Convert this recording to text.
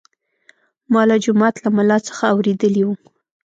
ما له جومات له ملا څخه اورېدلي وو.